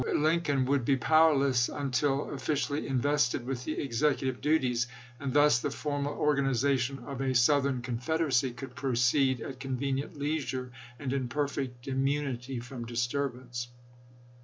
Lincoln would be powerless until offi cially invested with the executive duties, and thus the formal organization of a Southern Confederacy could proceed at convenient leisure and in perfect immunity from disturbance.